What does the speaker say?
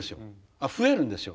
あっ増えるんですよ。